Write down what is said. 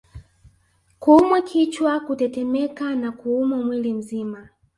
Kuumwa kichwa kutetemeka na kuumwa mwili mzima